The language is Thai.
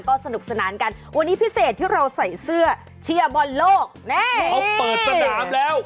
ก็สนุกสนานกันวันนี้พิเศษที่เราใส่เสื้อเชียร์บอลโลกแน่เขาเปิดสนามแล้ว